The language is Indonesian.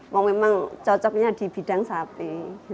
mau memang cocoknya di bidang sapi